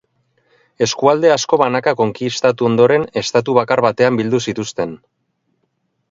Eskualde asko banaka konkistatu ondoren, estatu bakar batean bildu zituzten.